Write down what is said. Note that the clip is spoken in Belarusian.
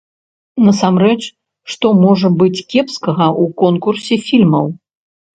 Насамрэч, што можа быць кепскага ў конкурсе фільмаў?